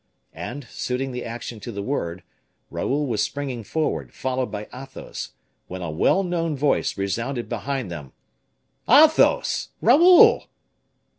And, suiting the action to the word, Raoul was springing forward, followed by Athos, when a well known voice resounded behind them, "Athos! Raoul!"